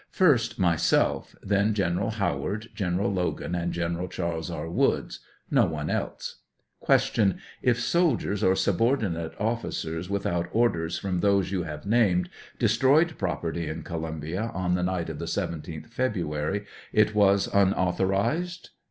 First, myself; then General Howard, General Logan, and General Chas. E. Woods; no one else. Q. If soldiers, or subordinate officers without orders from those you have named, destroyed property in Co lumbia on the night of the 17th February, it was un authorized